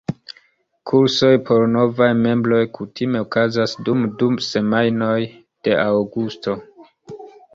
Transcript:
Kursoj por novaj membroj kutime okazas dum du semajnoj de aŭgusto.